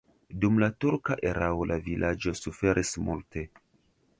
Dum la turka erao la vilaĝo suferis multe.